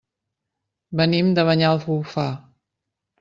Venim de Banyalbufar.